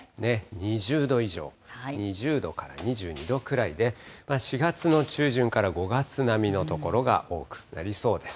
２０度以上、２０度から２２度くらいで、４月の中旬から５月並みの所が多くなりそうです。